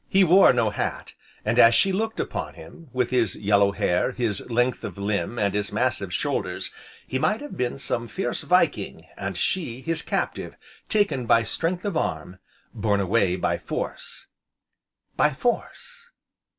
He wore no hat, and as she looked upon him, with his yellow hair, his length of limb, and his massive shoulders, he might have been some fierce Viking, and she, his captive, taken by strength of arm borne away by force. By force!